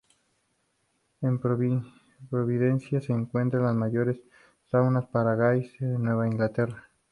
En Providence se encuentran las mayores saunas para gais de Nueva Inglaterra.